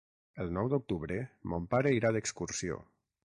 El nou d'octubre mon pare irà d'excursió.